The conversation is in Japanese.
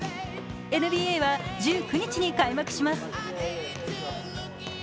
ＮＢＡは１９日に開幕します。